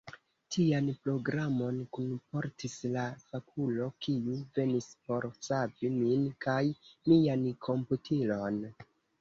Tian programon kunportis la fakulo, kiu venis por savi min kaj mian komputilon.